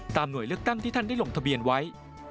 หน่วยเลือกตั้งที่ท่านได้ลงทะเบียนไว้